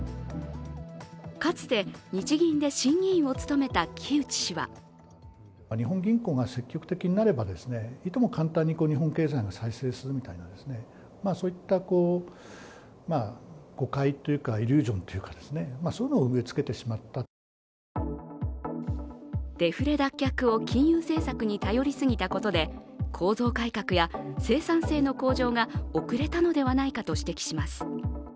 かつて、日銀で審議委員を務めた木内氏はデフレ脱却を金融政策に頼りすぎたことで構造改革や生産性の向上が遅れたのではないかと指摘します。